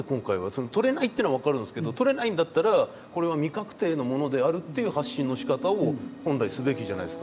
その取れないってのは分かるんですけど取れないんだったらこれは未確定のものであるっていう発信のしかたを本来すべきじゃないですか。